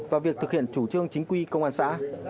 và việc thực hiện chủ trương chính quy công an xã